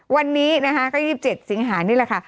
วันนี้นะคะก็๒๗สิงหานี่แหละค่ะ